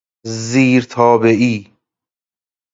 زیر تابهای